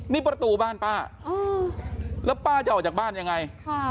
นี่ประตูบ้านป้าแล้วป้าจะออกจากบ้านยังไง